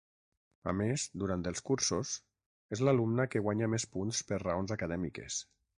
A més, durant els cursos, és l'alumna que guanya més punts per raons acadèmiques.